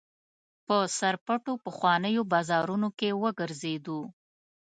په سرپټو پخوانیو بازارونو کې وګرځېدو.